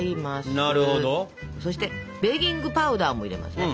そしてベーキングパウダーも入れますね。